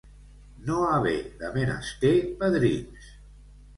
No haver de menester padrins.